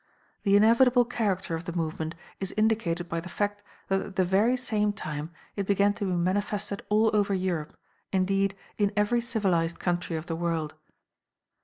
The inevitable character of the movement is indicated by the fact that at the very same time it began to be manifested all over Europe, indeed in every civilized country of the world.